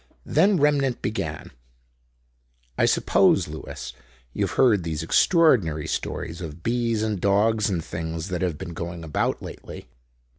Then Remnant began: "I suppose, Lewis, you've heard these extraordinary stories of bees and dogs and things that have been going about lately?"